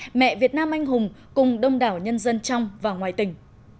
và mẹ việt nam anh hùng cùng đông đảo nhân dân trong và ngoài tỉnh